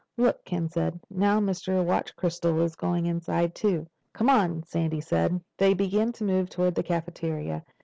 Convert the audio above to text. "Look," Ken said. "Now Mr. Watch Crystal is going inside too." "Come on," Sandy said. They began to move toward the cafeteria.